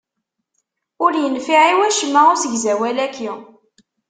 Ur yenfiɛ i wacemma usegzawal-aki.